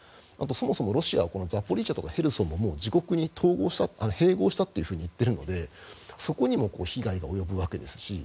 そもそもロシアはザポリージャとかヘルソンをもう自国に併合したと言っているのでそこにも被害が及ぶわけですし